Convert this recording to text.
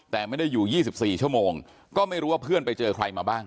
แต่ไม่ได้อยู่๒๔ชั่วโมงก็ไม่รู้ว่าเพื่อนไปเจอใครมาบ้าง